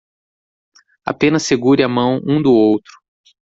Apenas segure a mão um do outro